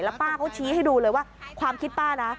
ป้าเขาชี้ให้ดูเลยว่าความคิดป้านะ